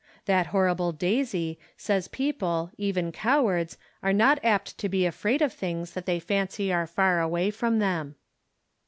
That horrible Daisy says people, even cowards, are not apt to be afraid of things that they fancy are far away from them.